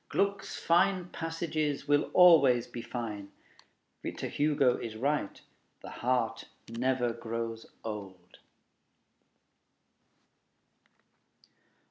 Gluck's fine passages will always be fine. Victor Hugo is right: the heart never grows old.